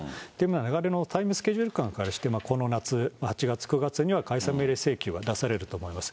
流れのタイムスケジュール感からして、この夏、８月、９月には解散命令請求が出されると思います。